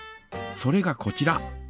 それがこちら。